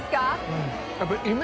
うん。